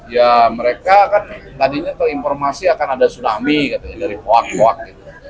ya mereka kan tadinya terinformasi akan ada tsunami dari poak poak